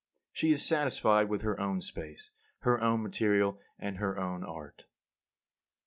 She is satisfied with her own space, her own material, and her own art. 51.